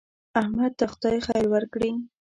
احمد ته خدای خیر ورکړي.